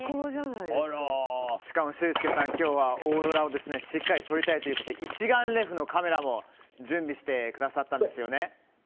しかもシュウスケさん、今日はオーロラをしっかり撮りたいということで一眼レフのカメラを準備してくださったんですよね。